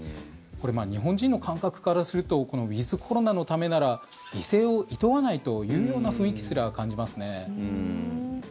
これ、日本人の感覚からするとウィズコロナのためなら犠牲をいとわないというような雰囲気すら感じますね。